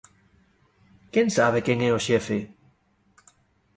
¿Quen sabe quen é o Xefe?